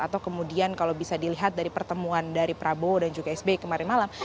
atau kemudian kalau bisa dilihat dari pertemuan dari prabowo dan juga sby kemarin malam